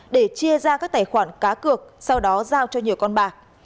để chia ra các tài khoản cá cược sau đó giao cho nhiều con bạc